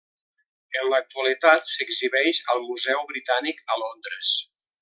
En l'actualitat s'exhibeix al Museu Britànic a Londres.